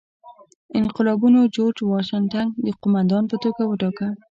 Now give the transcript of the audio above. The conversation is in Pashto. انقلابیانو جورج واشنګټن د قوماندان په توګه وټاکه.